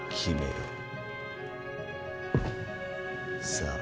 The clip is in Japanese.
さあ。